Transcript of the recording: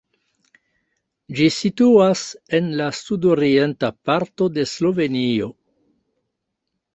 Ĝi situas en la sudorienta parto de Slovenio.